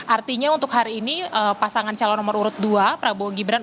artinya untuk hari ini pasangan calon nomor urut dua prabowo gibran